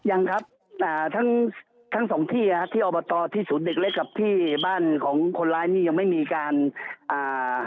ยังครับอ่าทั้งทั้งสองที่อ่ะที่อบตที่ศูนย์เด็กเล็กกับที่บ้านของคนร้ายนี่ยังไม่มีการอ่า